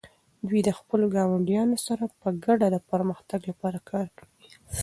دوی د خپلو ګاونډیانو سره په ګډه د پرمختګ لپاره کار کوي.